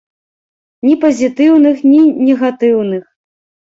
Ні пазітыўных, ні негатыўных.